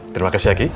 terima kasih aki